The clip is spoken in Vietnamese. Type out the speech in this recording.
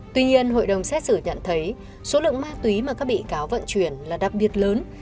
tuy nhiên hội đồng xét xử nhận thấy số lượng ma túy mà các bị cáo vận chuyển là đặc biệt lớn